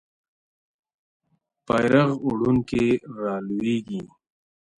بیرغ وړونکی رالویږي.